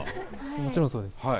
もちろんそうです。